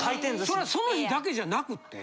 それはその日だけじゃなくって？